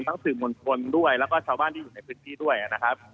สื่อมวลชนด้วยแล้วก็ชาวบ้านที่อยู่ในพื้นที่ด้วยนะครับ